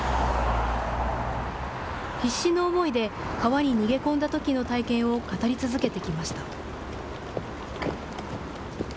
必死の思いで川に逃げ込んだときの体験を語り続けてきました。